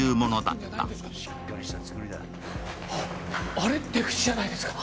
あれって出口じゃないですか？